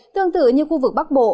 tương tự như khu vực bắc bộ